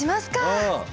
うん！